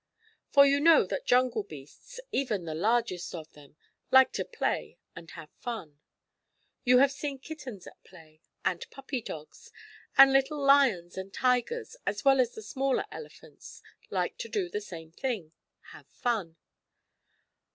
For you know that jungle beasts even the largest of them like to play and have fun. You have seen kittens at play, and puppy dogs; and little lions and tigers, as well as the smaller elephants, like to do the same thing have fun.